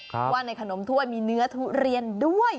ว่าในขนมถ้วยมีเนื้อทุเรียนด้วย